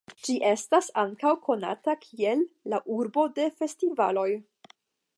Ĝi estas ankaŭ konata kiel "La Urbo de Festivaloj".